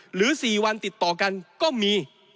หรือ๔วันติดต่อกันก็มี